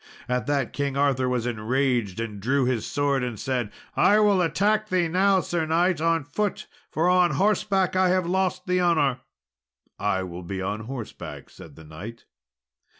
At that, King Arthur was enraged and drew his sword and said, "I will attack thee now, Sir knight, on foot, for on horseback I have lost the honour." "I will be on horseback," said the knight.